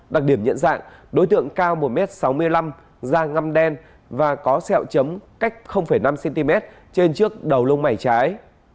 đặc điểm nhận dạng đối tượng cao một m sáu mươi năm da ngâm đen và có sẹo chấm cách năm cm trên trước đầu lông mày trái